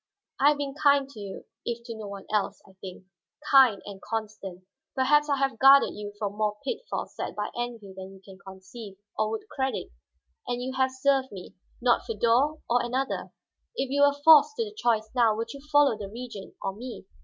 "I have been kind to you, if to no one else, I think. Kind, and constant. Perhaps I have guarded you from more pitfalls set by envy than you can conceive, or would credit. And you have served me, not Feodor or another. If you were forced to the choice now, would you follow the Regent or me?"